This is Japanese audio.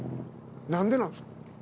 何でなんですか？